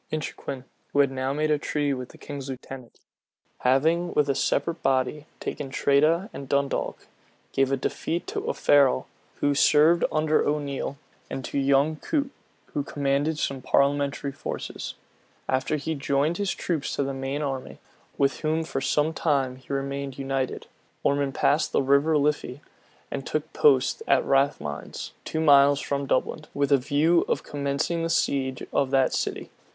Inchiquin, who had now made a treaty with the king's lieutenant, having, with a separate body, taken Tredah and Dundalk, gave a defeat to Offarrell, who served under O'Neal, and to young Coot, who commanded some parliamentary forces. After he had joined his troops to the main army, with whom for some time he remained united, Ormond passed the River Liffy, and took post at Rathmines, two miles from Dublin, with a view of commencing the siege of that city.